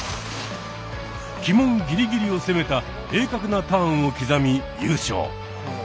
旗門ギリギリを攻めた鋭角なターンを刻み優勝。